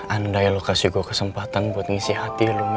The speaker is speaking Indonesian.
andai lo kasih gue kesempatan buat ngisi hati lo mel